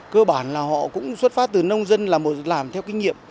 cơ bản là họ cũng xuất phát từ nông dân làm theo kinh nghiệm